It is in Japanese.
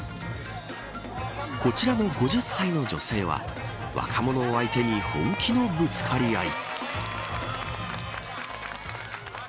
こちらの５０歳の女性は若者を相手に本気のぶつかり合い。